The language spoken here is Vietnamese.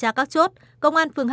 hoặc là chơi đường anh về